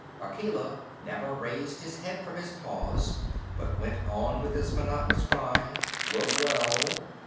Akela never raised his head from his paws, but went on with the monotonous cry: "Look well!"